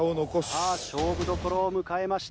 さあ勝負どころを迎えました。